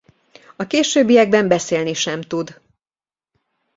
A későbbiekben beszélni sem tud.